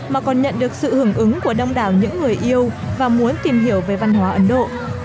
mà còn nhận được sự hưởng ứng của đông đảo những người yêu và muốn tìm hiểu về văn hóa ấn độ